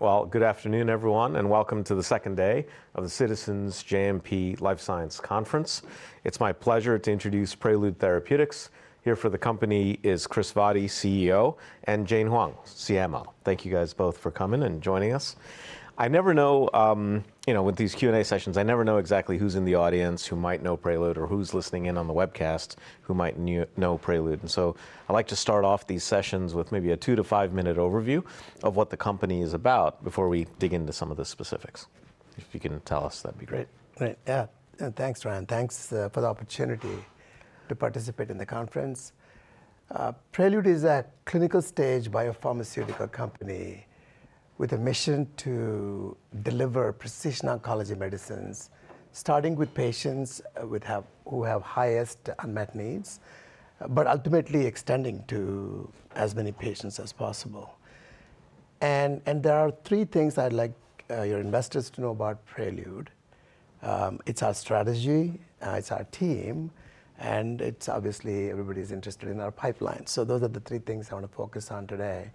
Well, good afternoon, everyone, and welcome to the second day of the Citizens JMP Life Science Conference. It's my pleasure to introduce Prelude Therapeutics. Here for the company is Kris Vaddi, CEO, and Jane Huang, CMO. Thank you guys both for coming and joining us. I never know, you know, with these Q&A sessions, I never know exactly who's in the audience, who might know Prelude, or who's listening in on the webcast, who might know Prelude. So I like to start off these sessions with maybe a two-five-minute overview of what the company is about before we dig into some of the specifics. If you can tell us, that'd be great. Right. Yeah, and thanks, Ryan. Thanks for the opportunity to participate in the conference. Prelude is a clinical stage biopharmaceutical company with a mission to deliver precision oncology medicines, starting with patients who have highest unmet needs, but ultimately extending to as many patients as possible. And there are three things I'd like your investors to know about Prelude. It's our strategy, it's our team, and it's obviously everybody's interested in our pipeline. So those are the three things I want to focus on today.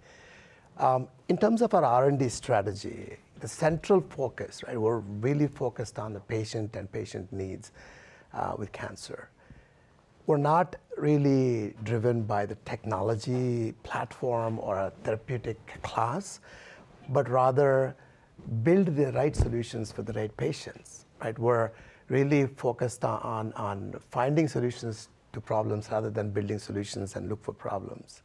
In terms of our R&D strategy, the central focus, right, we're really focused on the patient and patient needs with cancer. We're not really driven by the technology platform or a therapeutic class, but rather build the right solutions for the right patients, right? We're really focused on finding solutions to problems rather than building solutions and look for problems.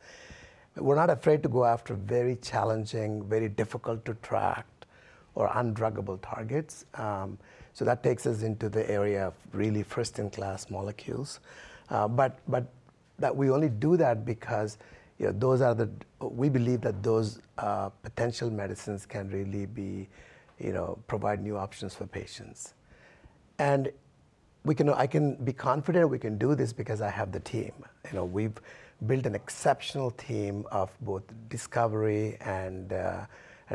We're not afraid to go after very challenging, very difficult to drug or undruggable targets. So that takes us into the area of really first-in-class molecules. But that we only do that because, you know, those are the—we believe that those potential medicines can really be, you know, provide new options for patients. And I can be confident we can do this because I have the team. You know, we've built an exceptional team of both discovery and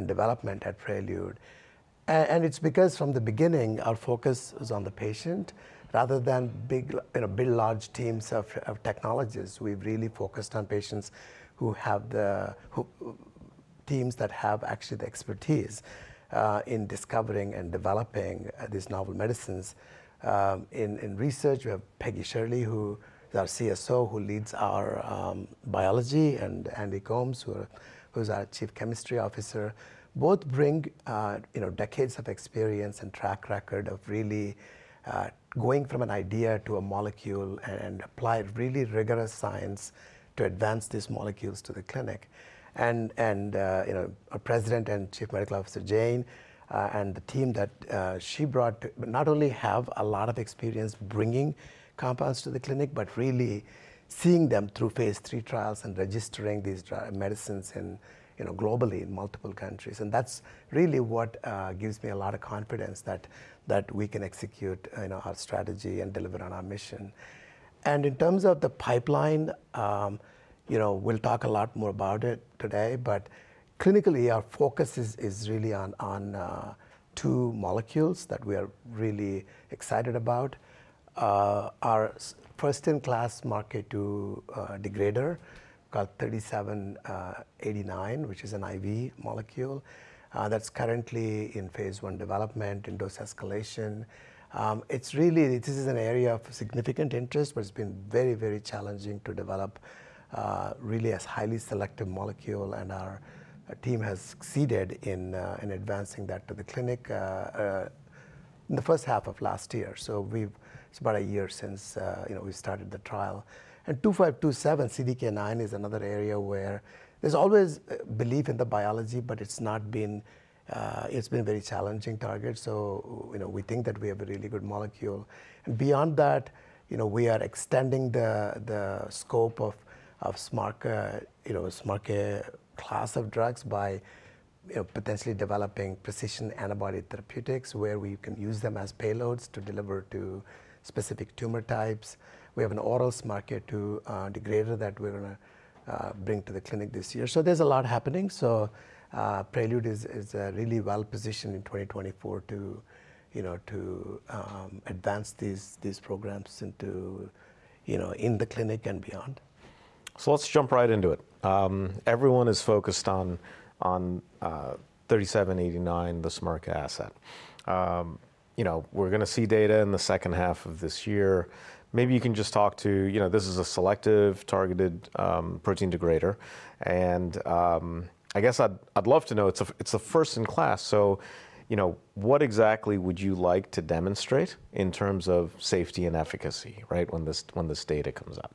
development at Prelude. And it's because from the beginning, our focus is on the patient rather than big. You know, build large teams of technologists. We've really focused on teams that have actually the expertise in discovering and developing these novel medicines. In research, we have Peggy Scherle, who is our CSO, who leads our biology, and Andrew Combs, who's our Chief Chemistry Officer. Both bring you know, decades of experience and track record of really going from an idea to a molecule and apply really rigorous science to advance these molecules to the clinic. You know, our President and Chief Medical Officer, Jane Huang, and the team that she brought not only have a lot of experience bringing compounds to the clinic, but really seeing them through phase III trials and registering these medicines in you know, globally in multiple countries. That's really what gives me a lot of confidence that we can execute, you know, our strategy and deliver on our mission. In terms of the pipeline, you know, we'll talk a lot more about it today, but clinically, our focus is really on two molecules that we are really excited about. Our first-in-class SMARCA2 degrader, called PRT3789, which is an IV molecule, that's currently in phase I development in dose escalation. It's really, this is an area of significant interest, but it's been very, very challenging to develop a highly selective molecule, and our team has succeeded in advancing that to the clinic in the first half of last year. It's about a year since, you know, we started the trial. 2527 CDK9 is another area where there's always, belief in the biology, but it's not been, it's been a very challenging target, so, you know, we think that we have a really good molecule. And beyond that, you know, we are extending the scope of SMARCA, you know, SMARCA class of drugs by, you know, potentially developing precision antibody therapeutics, where we can use them as payloads to deliver to specific tumor types. We have an oral SMARCA2, degrader that we're gonna, bring to the clinic this year. So there's a lot happening. So, Prelude is, really well-positioned in 2024 to, you know, to, advance these, programs into, you know, in the clinic and beyond. So let's jump right into it. Everyone is focused on, on, 3789, the SMARCA asset. You know, we're gonna see data in the second half of this year. Maybe you can just talk to... You know, this is a selective targeted, protein degrader, and, I guess I'd, I'd love to know, it's a, it's a first in class, so, you know, what exactly would you like to demonstrate in terms of safety and efficacy, right? When this, when this data comes out.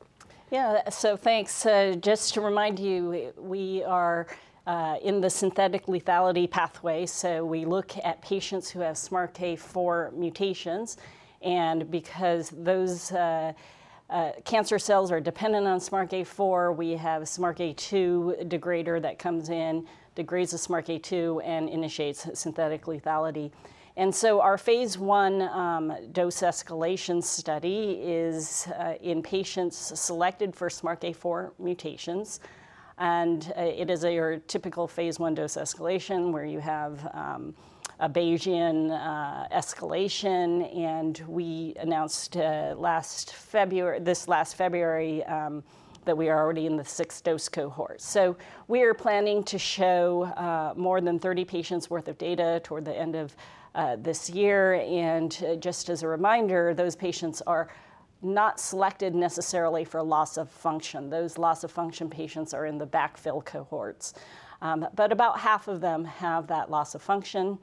Yeah. So thanks. Just to remind you, we are in the synthetic lethality pathway, so we look at patients who have SMARCA4 mutations. And because those cancer cells are dependent on SMARCA4, we have SMARCA2 degrader that comes in, degrades the SMARCA2, and initiates synthetic lethality. And so our phase I dose-escalation study is in patients selected for SMARCA4 mutations, and it is your typical phase I dose escalation, where you have a Bayesian escalation. And we announced this last February that we are already in the sixth dose cohort. So we are planning to show more than 30 patients' worth of data toward the end of this year. And just as a reminder, those patients are not selected necessarily for loss of function. Those loss of function patients are in the backfill cohorts. But about half of them have that loss of function,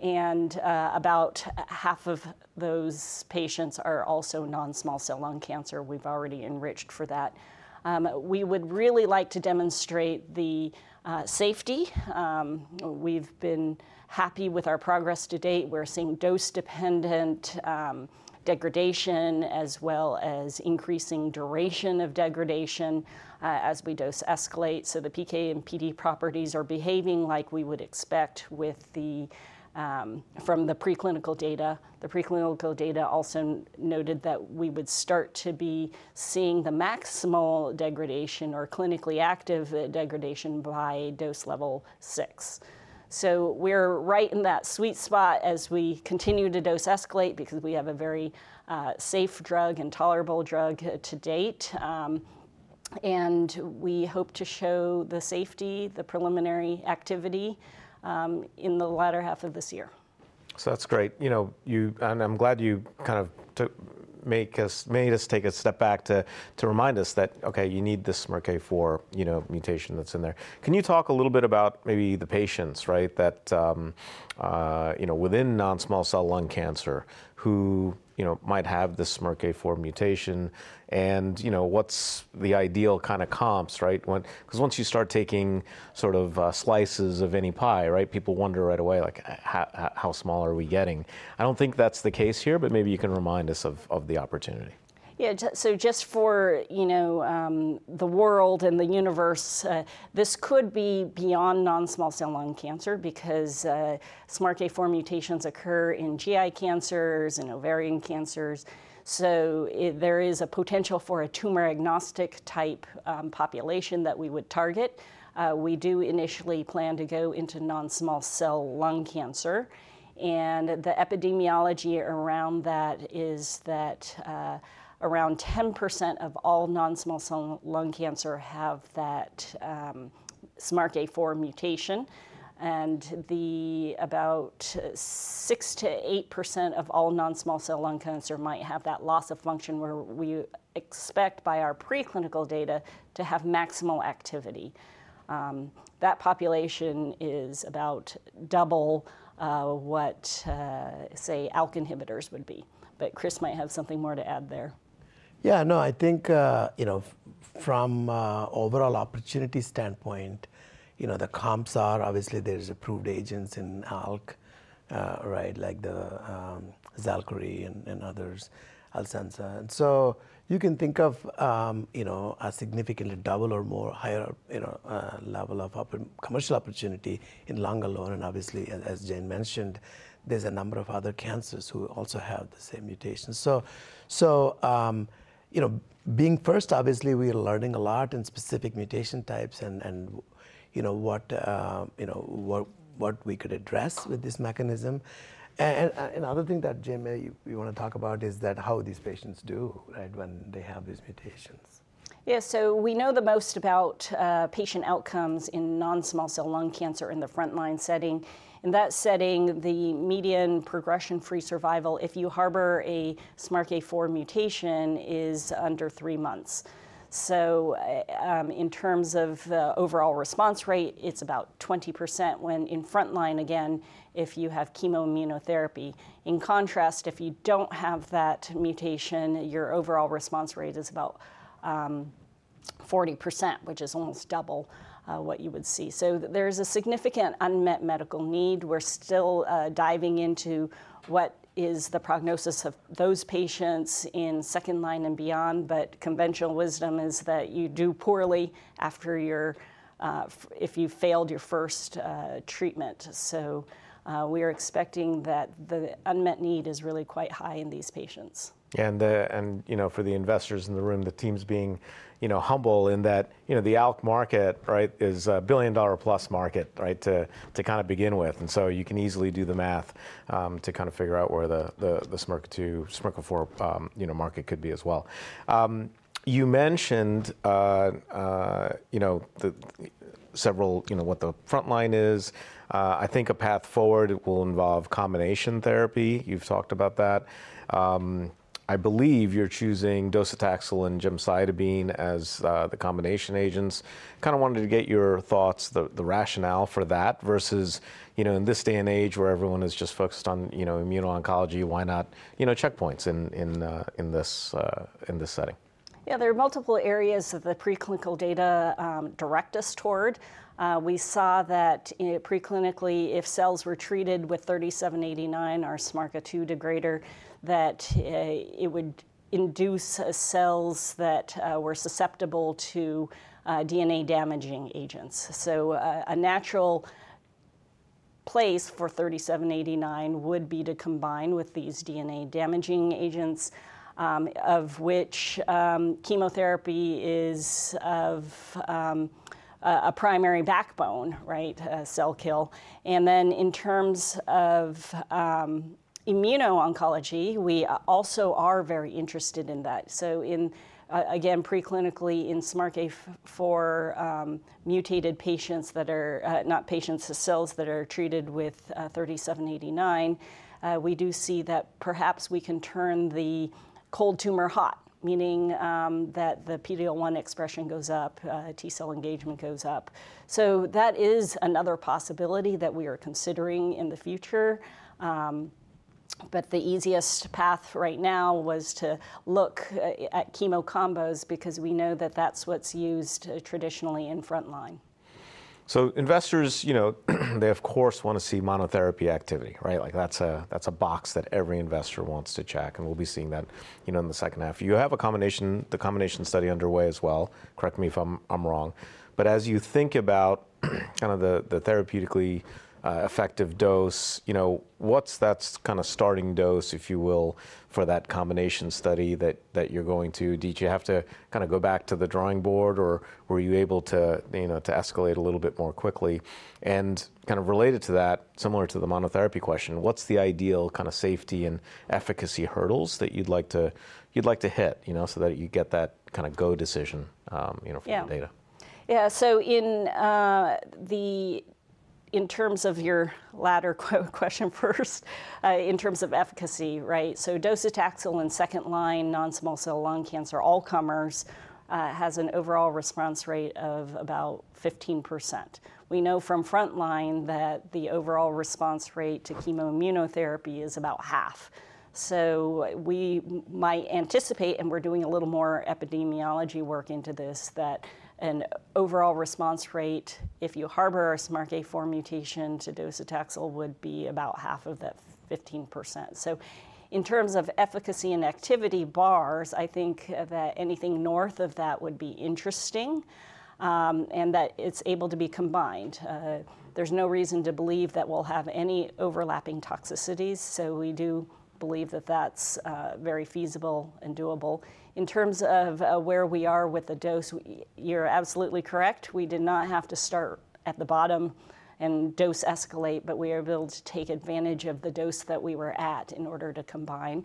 and about half of those patients are also non-small cell lung cancer. We've already enriched for that. We would really like to demonstrate the safety. We've been happy with our progress to date. We're seeing dose-dependent degradation, as well as increasing duration of degradation, as we dose escalate. So the PK and PD properties are behaving like we would expect with the from the preclinical data. The preclinical data also noted that we would start to be seeing the maximal degradation or clinically active degradation by dose level six. So we're right in that sweet spot as we continue to dose escalate, because we have a very safe drug and tolerable drug to date. We hope to show the safety, the preliminary activity, in the latter half of this year. So that's great. You know, and I'm glad you kind of made us take a step back to remind us that, okay, you need this SMARCA4, you know, mutation that's in there. Can you talk a little bit about maybe the patients, right? That, you know, within non-small cell lung cancer, who, you know, might have the SMARCA4 mutation, and, you know, what's the ideal kind of comps, right? 'Cause once you start taking sort of, slices of any pie, right, people wonder right away, like, how small are we getting? I don't think that's the case here, but maybe you can remind us of the opportunity. Yeah, so just for, you know, the world and the universe, this could be beyond non-small cell lung cancer because SMARCA4 mutations occur in GI cancers, in ovarian cancers. So there is a potential for a tumor-agnostic type population that we would target. We do initially plan to go into non-small cell lung cancer, and the epidemiology around that is that around 10% of all non-small cell lung cancer have that SMARCA4 mutation. And about 6%-8% of all non-small cell lung cancer might have that loss of function, where we expect, by our preclinical data, to have maximal activity. That population is about double what, say, ALK inhibitors would be. But Kris might have something more to add there. Yeah, no, I think, from a overall opportunity standpoint, you know, the comps are... Obviously, there's approved agents in ALK, right, like the, Xalkori and, and others, Alecensa. And so you can think of, you know, a significantly double or more higher, you know, level of commercial opportunity in lung alone, and obviously, as Jane mentioned, there's a number of other cancers who also have the same mutation. So, you know, being first, obviously we're learning a lot in specific mutation types and, you know, what we could address with this mechanism. Another thing that, Jane, maybe you wanna talk about is how these patients do, right, when they have these mutations. Yeah, so we know the most about patient outcomes in non-small cell lung cancer in the front-line setting. In that setting, the median progression-free survival, if you harbor a SMARCA4 mutation, is under three months. So, in terms of the overall response rate, it's about 20%, when in front line, again, if you have chemo immunotherapy. In contrast, if you don't have that mutation, your overall response rate is about 40%, which is almost double what you would see. So there is a significant unmet medical need. We're still diving into what is the prognosis of those patients in second line and beyond, but conventional wisdom is that you do poorly after your, if you've failed your first treatment. So, we are expecting that the unmet need is really quite high in these patients. you know, for the investors in the room, the team's being, you know, humble in that, you know, the ALK market, right, is a billion-dollar-plus market, right, to kind of begin with. So you can easily do the math to kind of figure out where the SMARCA2, SMARCA4, you know, market could be as well. You mentioned, you know, the several. You know, what the front line is. I think a path forward will involve combination therapy. You've talked about that. I believe you're choosing docetaxel and gemcitabine as the combination agents. Kind of wanted to get your thoughts, the rationale for that, versus, you know, in this day and age, where everyone is just focused on, you know, immuno-oncology, why not, you know, checkpoints in this setting? Yeah, there are multiple areas that the preclinical data direct us toward. We saw that, preclinically, if cells were treated with 3789, our SMARCA2 degrader, that it would induce cells that were susceptible to DNA-damaging agents. So, a place for 3789 would be to combine with these DNA-damaging agents, of which chemotherapy is of a primary backbone, right, cell kill. And then in terms of immuno-oncology, we also are very interested in that. So in again, preclinically in SMARCA4 mutated patients that are not patients, the cells that are treated with 3789, we do see that perhaps we can turn the cold tumor hot, meaning that the PD-L1 expression goes up, T-cell engagement goes up. So that is another possibility that we are considering in the future. But the easiest path right now was to look at chemo combos because we know that that's what's used traditionally in front line. So investors, you know, they, of course, wanna see monotherapy activity, right? Like, that's a, that's a box that every investor wants to check, and we'll be seeing that, you know, in the second half. You have a combination, the combination study underway as well, correct me if I'm, I'm wrong. But as you think about kind of the, the therapeutically effective dose, you know, what's that kind of starting dose, if you will, for that combination study that, that you're going to? Did you have to kind of go back to the drawing board, or were you able to, you know, to escalate a little bit more quickly? Kind of related to that, similar to the monotherapy question, what's the ideal kind of safety and efficacy hurdles that you'd like to, you'd like to hit, you know, so that you get that kind of go decision, you know? Yeah... from the data? Yeah, so in terms of your latter question first, in terms of efficacy, right? So docetaxel in second line, non-small cell lung cancer, all comers, has an overall response rate of about 15%. We know from front line that the overall response rate to chemo immunotherapy is about half. So we might anticipate, and we're doing a little more epidemiology work into this, that an overall response rate, if you harbor a SMARCA4 mutation to docetaxel, would be about half of that 15%. So in terms of efficacy and activity bars, I think that anything north of that would be interesting, and that it's able to be combined. There's no reason to believe that we'll have any overlapping toxicities, so we do believe that that's very feasible and doable. In terms of where we are with the dose, you're absolutely correct. We did not have to start at the bottom and dose escalate, but we were able to take advantage of the dose that we were at in order to combine.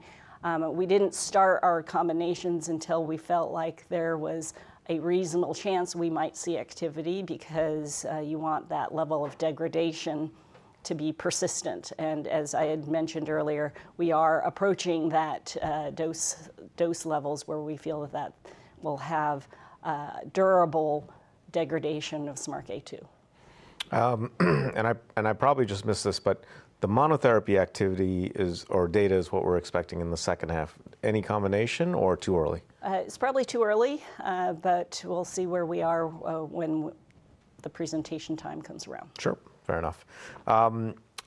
We didn't start our combinations until we felt like there was a reasonable chance we might see activity because you want that level of degradation to be persistent. And as I had mentioned earlier, we are approaching that dose levels where we feel that that will have durable degradation of SMARCA2. And I, and I probably just missed this, but the monotherapy activity, or data, is what we're expecting in the second half. Any combination or too early? It's probably too early, but we'll see where we are when the presentation time comes around. Sure, fair enough.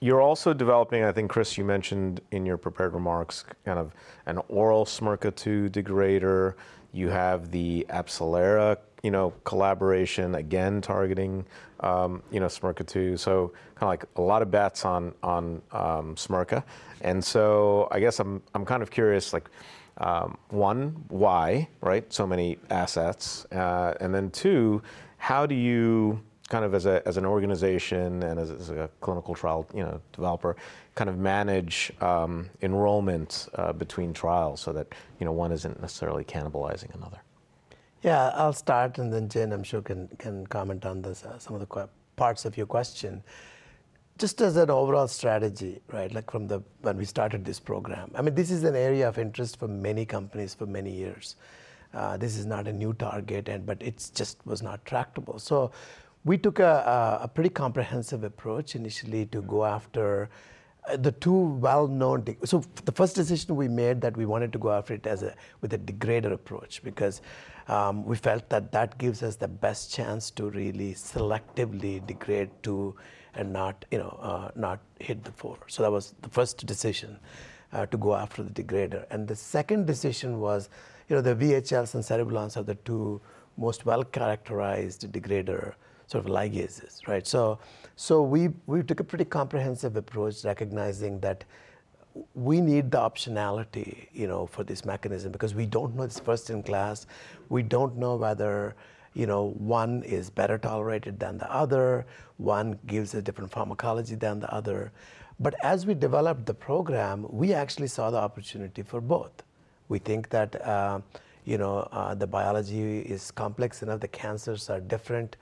You're also developing, I think, Kris, you mentioned in your prepared remarks, kind of an oral SMARCA2 degrader. You have the AbCellera, you know, collaboration, again, targeting, you know, SMARCA2, so kinda like a lot of bets on SMARCA. And so I guess I'm kind of curious, like, one, why, right, so many assets? And then, two, how do you, kind of as an organization and as a clinical trial, you know, developer, kind of manage enrollment between trials so that, you know, one isn't necessarily cannibalizing another? Yeah, I'll start, and then Jane, I'm sure, can comment on this, some of the key parts of your question. Just as an overall strategy, right, like from the when we started this program, I mean, this is an area of interest for many companies for many years. This is not a new target, and but it's just was not tractable. So we took a pretty comprehensive approach initially to go after the two well-known de- so the first decision we made that we wanted to go after it as a with a degrader approach because we felt that that gives us the best chance to really selectively degrade to, and not, you know, not hit the floor. So that was the first decision to go after the degrader. The second decision was, you know, the VHLs and cereblons are the two most well-characterized degrader, sort of ligases, right? So we took a pretty comprehensive approach, recognizing that we need the optionality, you know, for this mechanism, because we don't know it's first in class. We don't know whether, you know, one is better tolerated than the other, one gives a different pharmacology than the other. But as we developed the program, we actually saw the opportunity for both. We think that, you know, the biology is complex, and that the cancers are different,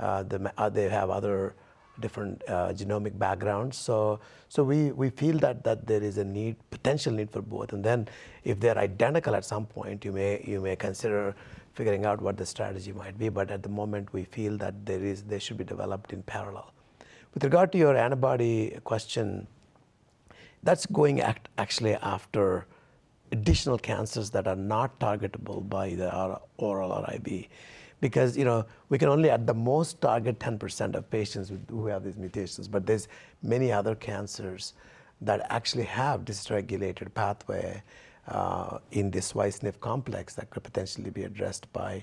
the they have other different genomic backgrounds. So we feel that there is a need, potential need for both. And then, if they're identical, at some point, you may consider figuring out what the strategy might be. But at the moment, we feel that they should be developed in parallel. With regard to your antibody question, that's going after, actually, additional cancers that are not targetable by the oral or IV. Because, you know, we can only, at the most, target 10% of patients who have these mutations, but there's many other cancers that actually have dysregulated pathway in this SWI/SNF complex that could potentially be addressed by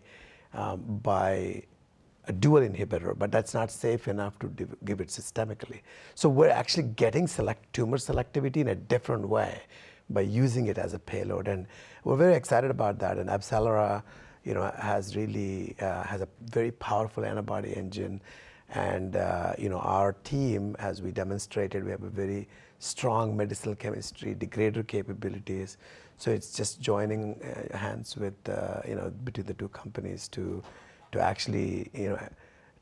a dual inhibitor, but that's not safe enough to give it systemically. So we're actually getting tumor selectivity in a different way, by using it as a payload, and we're very excited about that. And AbCellera, you know, has really a very powerful antibody engine, and you know, our team, as we demonstrated, we have a very strong medicinal chemistry, degrader capabilities. It's just joining hands with, you know, between the two companies to actually, you know,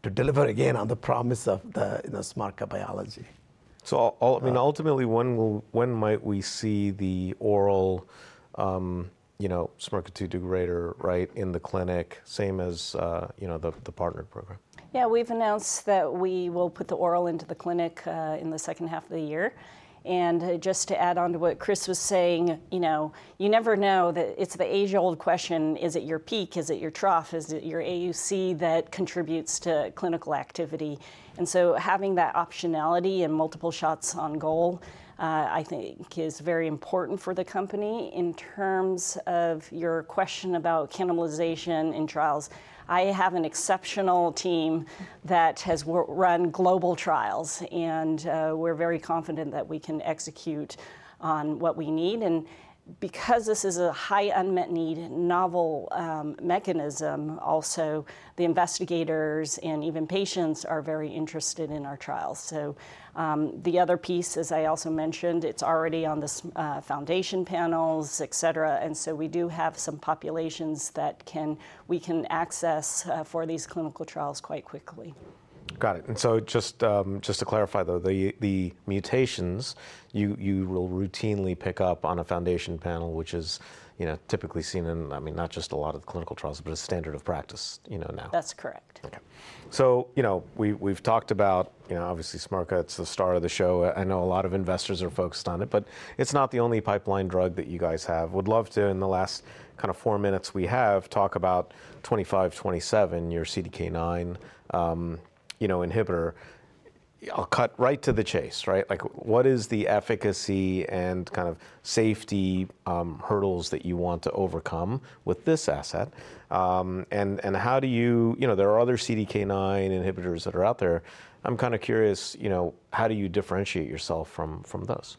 to deliver again on the promise of the, you know, SMARCA biology. I mean, ultimately, when might we see the oral, you know, SMARCA2 degrader, right, in the clinic? Same as, you know, the partner program. Yeah, we've announced that we will put the oral into the clinic in the second half of the year. And just to add on to what Kris was saying, you know, you never know the... It's the age-old question: Is it your peak? Is it your trough? Is it your AUC that contributes to clinical activity? And so having that optionality and multiple shots on goal, I think is very important for the company. In terms of your question about cannibalization in trials, I have an exceptional team that has run global trials, and we're very confident that we can execute on what we need. And because this is a high unmet need, novel mechanism, also, the investigators and even patients are very interested in our trials. The other piece, as I also mentioned, it's already on the foundation panels, et cetera, and so we do have some populations that we can access for these clinical trials quite quickly. Got it. And so just to clarify, though, the mutations you will routinely pick up on a foundation panel, which is, you know, typically seen in, I mean, not just a lot of the clinical trials, but a standard of practice, you know, now. That's correct. Okay. So, you know, we've talked about, you know, obviously SMARCA, it's the star of the show. I know a lot of investors are focused on it, but it's not the only pipeline drug that you guys have. Would love to, in the last kind of four minutes we have, talk about 2527, your CDK9, you know, inhibitor. I'll cut right to the chase, right? Like, what is the efficacy and kind of safety hurdles that you want to overcome with this asset? And how do you... You know, there are other CDK9 inhibitors that are out there. I'm kind of curious, you know, how do you differentiate yourself from those?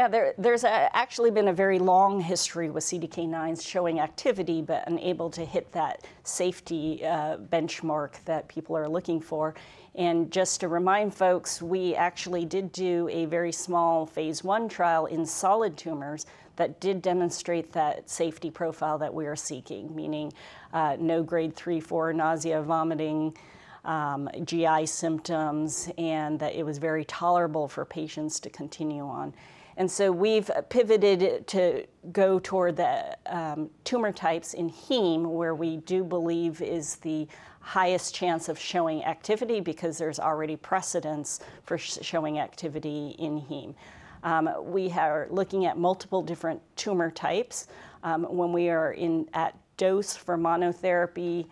Yeah, there's actually been a very long history with CDK9s showing activity, but unable to hit that safety benchmark that people are looking for. And just to remind folks, we actually did do a very small phase I trial in solid tumors that did demonstrate that safety profile that we are seeking, meaning, no Grade 3, 4 nausea, vomiting, GI symptoms, and that it was very tolerable for patients to continue on. And so we've pivoted to go toward the tumor types in heme, where we do believe is the highest chance of showing activity, because there's already precedence for showing activity in heme. We are looking at multiple different tumor types. When we are at dose for monotherapy,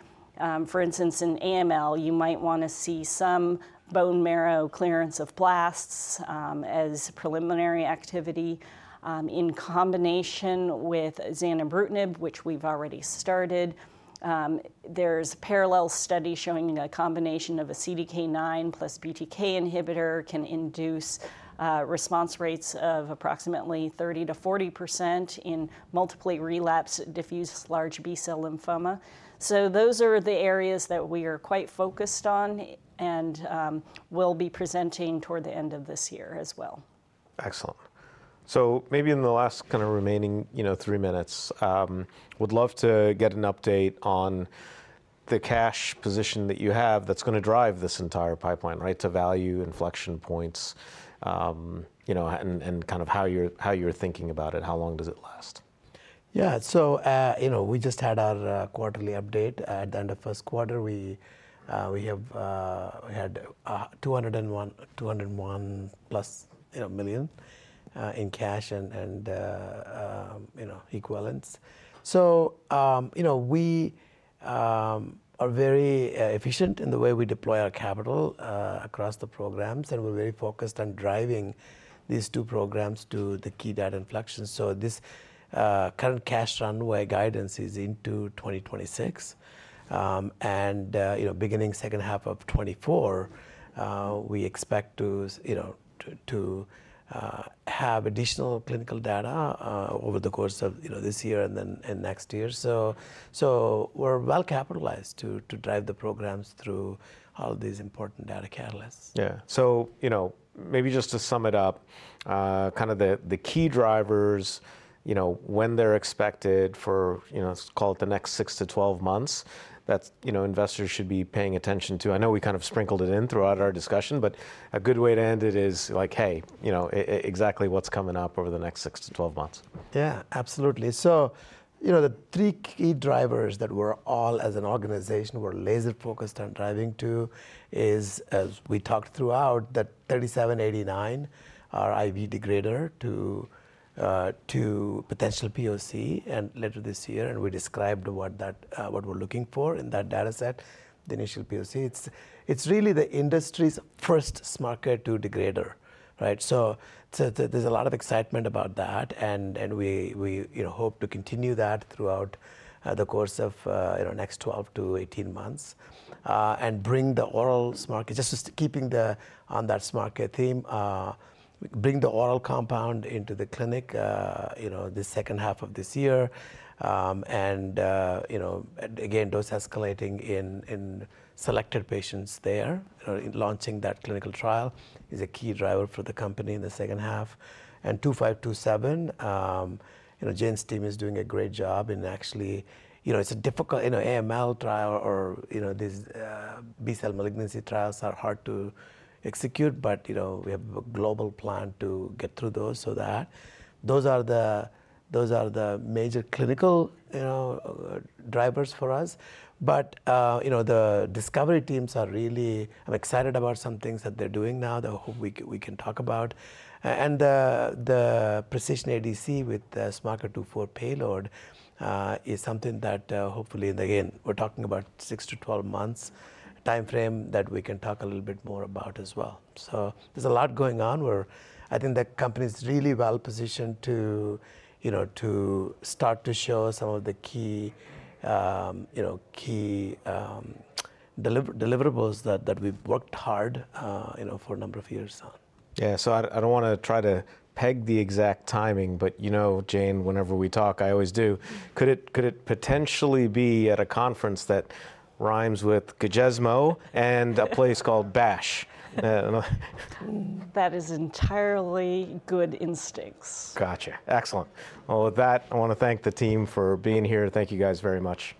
for instance, in AML, you might want to see some bone marrow clearance of blasts, as preliminary activity, in combination with zanubrutinib, which we've already started. There's a parallel study showing a combination of a CDK9 plus BTK inhibitor can induce response rates of approximately 30%-40% in multiple relapse diffuse large B-cell lymphoma. So those are the areas that we are quite focused on, and we'll be presenting toward the end of this year as well. Excellent. So maybe in the last kind of remaining, you know, three minutes, would love to get an update on the cash position that you have that's gonna drive this entire pipeline, right, to value inflection points. You know, and, and kind of how you're, how you're thinking about it, how long does it last? Yeah, so, you know, we just had our quarterly update. At the end of first quarter, we have, we had, $201 million, $201+ million, you know, in cash and, and, you know, equivalents. So, you know, we are very efficient in the way we deploy our capital across the programs, and we're very focused on driving these two programs to the key data inflection. So this current cash runway guidance is into 2026. And, you know, beginning second half of 2024, we expect to, you know, to, have additional clinical data over the course of, you know, this year and then, and next year. So, so we're well-capitalized to, to drive the programs through all these important data catalysts. Yeah. So, you know, maybe just to sum it up, kind of the key drivers, you know, when they're expected for, you know, let's call it the next six-12 months, that, you know, investors should be paying attention to. I know we kind of sprinkled it in throughout our discussion, but a good way to end it is like, hey, you know, exactly what's coming up over the next six-12 months? Yeah, absolutely. So, you know, the three key drivers that we're all, as an organization, we're laser-focused on driving to is, as we talked throughout, that 3789, our IV degrader, to, to potential POC, and later this year, and we described what that- what we're looking for in that data set, the initial POC. It's, it's really the industry's first SMARCA2 degrader, right? So, so there's a lot of excitement about that, and, and we, we, you know, hope to continue that throughout, the course of, you know, next 12-18 months. And bring the oral SMARCA2... Just, just keeping the, on that SMARCA2 theme, bring the oral compound into the clinic, you know, the second half of this year. And you know, and again, dose escalating in selected patients there in launching that clinical trial is a key driver for the company in the second half. And 2527, you know, Jane's team is doing a great job, and actually, you know, it's a difficult, you know, AML trial or you know these B-cell malignancy trials are hard to execute, but you know we have a global plan to get through those, so that. Those are the, those are the major clinical, you know, drivers for us. But you know the discovery teams are really... I'm excited about some things that they're doing now, that I hope we can, we can talk about. And the precision ADC with the SMARCA2/4 payload is something that, hopefully, and again, we're talking about a six-12 months timeframe, that we can talk a little bit more about as well. So there's a lot going on, where I think the company's really well-positioned to, you know, to start to show some of the key, you know, key deliverables that we've worked hard, you know, for a number of years on. Yeah, so I don't wanna try to peg the exact timing, but, you know, Jane, whenever we talk, I always do. Mm. Could it potentially be at a conference that rhymes with Gajesmo-... and a place called Bash? That is entirely good instincts. Gotcha. Excellent. Well, with that, I want to thank the team for being here. Thank you guys very much.